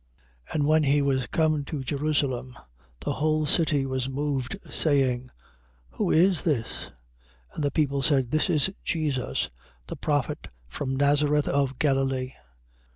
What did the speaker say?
21:10. And when he was come into Jerusalem, the whole city was moved, saying: Who is this? 21:11. And the people said: This is Jesus, the prophet from Nazareth of Galilee.